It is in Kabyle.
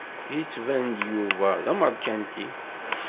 Yettban-d Yuba d amarkanti.